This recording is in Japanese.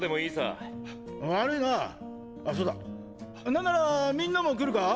何ならみんなも来るか